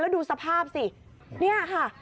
แล้วดูสภาพสินี่ค่ะ